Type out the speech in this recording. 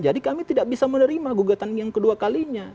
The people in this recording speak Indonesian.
jadi kami tidak bisa menerima gugatan yang kedua kalinya